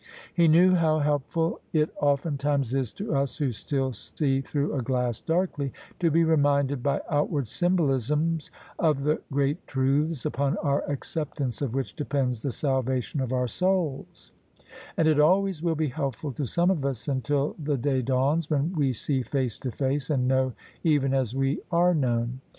He knew how helpful it oftentimes is to us, who still see through a glass darkly, to be reminded by outward symbolisms of the great truths upon our acceptance of which depends the salvation of our souls: and it always will be helpful to some of us, until the day dawns when we see face to face, and know even as we are known.